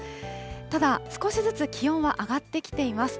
ただ、少しずつ気温は上がってきています。